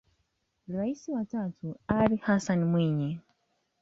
Rais wa tatu ni Ally Hassan Mwinyi